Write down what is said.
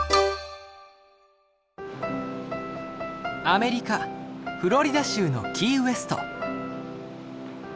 アメリカフロリダ州のキーウェスト。